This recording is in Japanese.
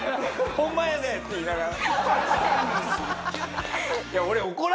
「ホンマやで！」って言いながら。